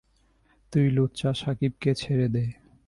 তুই লুচ্চা শাকিবকে ছেড়ে দে!